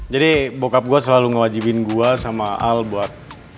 jadi bokap gue selalu ngewajibin gue sama al buat